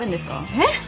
えっ？